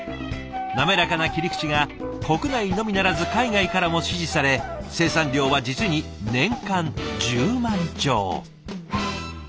滑らかな切り口が国内のみならず海外からも支持され生産量は実に年間１０万丁。